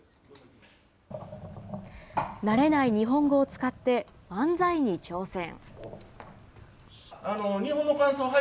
慣れない日本語を使って漫才に挑戦。